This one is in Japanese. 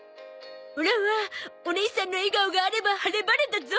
オラはおねいさんの笑顔があれば晴れ晴れだゾ。